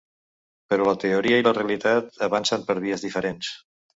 Però la teoria i la realitat avancen per vies diferents.